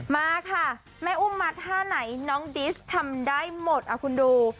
มาค่ะแม่อุ้มมาท่าไหนน้องดิสทำได้หมดคุณดู